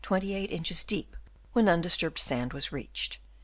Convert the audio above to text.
Trench 28 inches deep, when undisturbed sand was reached